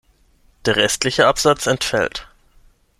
Der restliche Absatz entfällt.